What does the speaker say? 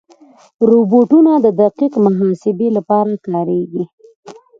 روبوټونه د دقیق محاسبې لپاره کارېږي.